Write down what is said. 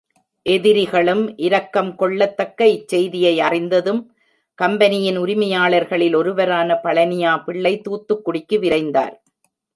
எதிரிகளும் இரக்கம் கொள்ளத்தக்க இச்செய்தியை அறிந்ததும், கம்பெனியின் உரிமையாளர்களில் ஒருவரான பழனியா பிள்ளை தூத்துக்குடிக்கு விரைந்தார்.